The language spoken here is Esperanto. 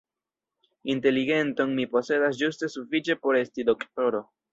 Inteligenton mi posedas ĝuste sufiĉe por esti doktoro.